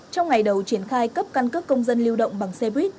trong ngày đầu triển khai cấp căn cấp công dân lưu động bằng xe buýt